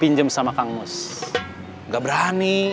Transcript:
pinjam sama kang mus nggak berani